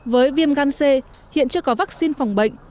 với viêm gan c hiện chưa có vaccine phòng bệnh